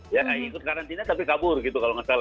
ya ikut karantina tapi kabur gitu kalau nggak salah